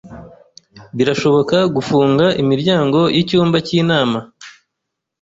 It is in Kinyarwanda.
Birashoboka gufunga imiryango yicyumba cyinama?